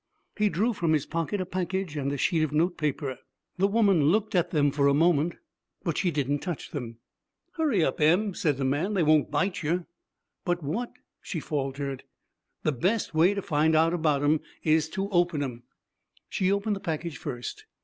He drew from his pocket a package and a sheet of notepaper. The woman looked at them for a moment, but she didn't touch them. 'Hurry up, Em,' said the man. 'They won't bite you.' 'But what ' she faltered. 'The best way to find out about 'em is to open 'em.' She opened the package first.